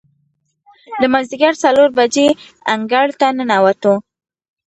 د مازدیګر څلور بجې انګړ ته ننوتو.